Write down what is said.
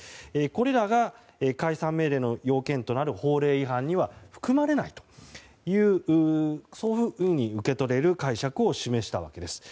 これらが解散命令の要件となる法令違反には含まれないというふうに受け取れる解釈を示したわけです。